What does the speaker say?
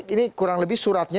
ini kurang lebih suratnya